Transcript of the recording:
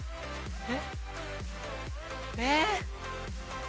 えっ。